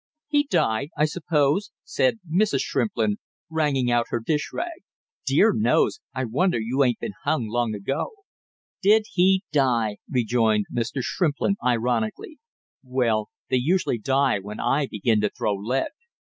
"He died, I suppose!" said. Mrs. Shrimplin, wringing out her dish rag. "Dear knows! I wonder you ain't been hung long ago!" "Did he die!" rejoined Mr. Shrimplin ironically. "Well, they usually die when I begin to throw lead!"